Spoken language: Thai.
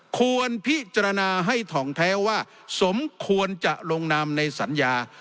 ควรพิจารณาให้ถ่องแท้ว่าสมควรจะลงนามในสัญญา